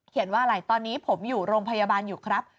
ว่าอะไรตอนนี้ผมอยู่โรงพยาบาลอยู่ครับ